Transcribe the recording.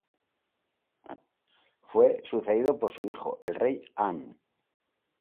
Fue sucedido por su hijo, el Rey An.